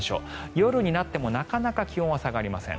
夜になってもなかなか気温は下がりません。